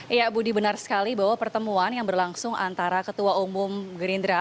iya budi benar sekali bahwa pertemuan yang berlangsung antara ketua umum gerindra